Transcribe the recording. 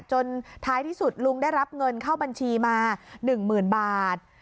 จนท้ายที่สุดลุงได้รับเงินเข้าบัญชีมาหนึ่งหมื่นบาท